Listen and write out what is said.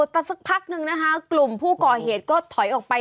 แต่สักพักนึงนะคะกลุ่มผู้ก่อเหตุก็ถอยออกไป